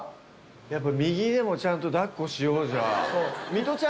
やっぱ右でもちゃんと抱っこしようじゃあ。